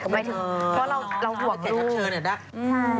ไม่ถึงเพราะเราห่วงรูป